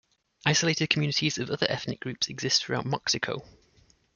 Isolated communities of other ethnic groups exist throughout Moxico.